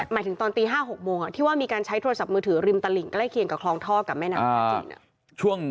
หมายถึงตอนตี๕๖โมงที่ว่ามีการใช้โทรศัพท์มือถือริมตลิงใกล้เคียงกับคลองท่อกับแม่น้ำท่าจีน